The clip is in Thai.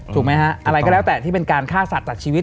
ถูกไหมฮะอะไรก็แล้วแต่ที่เป็นการฆ่าสัตว์จากชีวิต